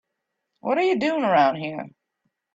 What are you doing around here?